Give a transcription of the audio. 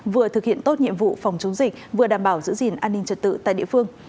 vừa thực hiện tốt nhiệm vụ phòng chống dịch vừa đảm bảo giữ gìn an ninh trật tự tại địa phương